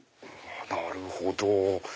なるほど。